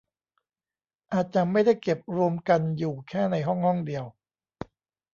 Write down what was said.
อาจจะไม่ได้เก็บรวมกันอยู่แค่ในห้องห้องเดียว